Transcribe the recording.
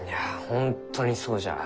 本当にそうじゃ。